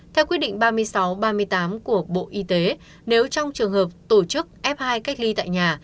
theo quyết định ba mươi sáu ba mươi tám của bộ y tế nếu trong trường hợp tổ chức f hai cách ly tại nhà